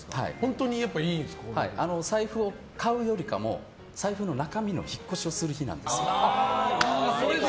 財布を買うよりかも財布の中身の引っ越しをする日なんです。